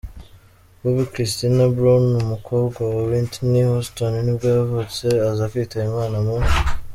Bobby Kristina Brown, umukobwa wa Whitney Houston nibwo yavutse aza kwitaba Imana mu .